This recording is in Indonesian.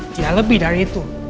tidak lebih dari itu